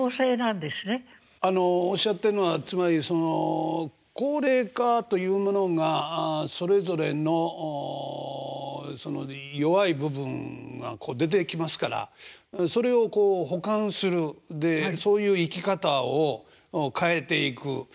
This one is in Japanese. あのおっしゃってんのはつまりその高齢化というものがそれぞれのその弱い部分が出てきますからそれをこう補完するでそういう生き方を変えていく。